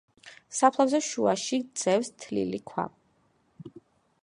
საფლავზე, შუაში ძევს თლილი ქვა.